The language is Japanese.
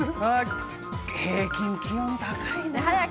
平均気温、高い。